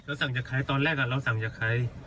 สั่งจากใครตอนแรกเราสั่งจากใคร